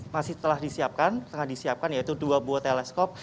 masih telah disiapkan yaitu dua buah teleskop